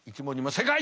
正解！